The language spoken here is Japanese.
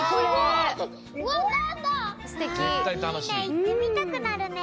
いってみたくなるね。